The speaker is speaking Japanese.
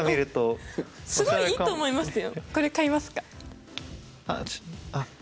すごいいいと思いますよ。